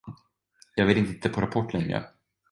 Jag ville inte titta på Rapport längre.